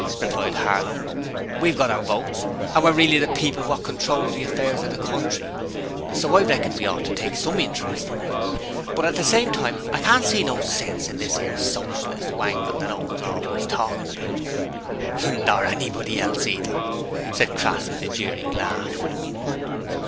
replied Harlow. 'We've got votes and we're really the people what control the affairs of the country, so I reckon we ought to take SOME interest in it, but at the same time I can't see no sense in this 'ere Socialist wangle that Owen's always talkin' about.' 'Nor nobody else neither,' said Crass with a jeering laugh.